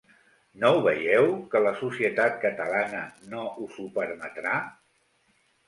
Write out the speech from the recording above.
No ho veieu, que la societat catalana no us ho permetrà?